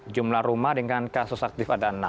jumlah rumah dengan kasus aktif ada enam